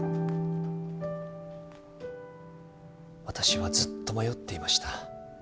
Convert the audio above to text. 私はずっと迷っていました。